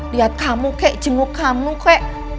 lihat kamu kek jenguk kamu kek